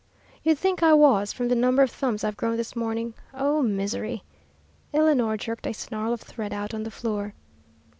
"You'd think I was from the number of thumbs I've grown this morning. Oh, misery!" Eleanor jerked a snarl of thread out on the floor.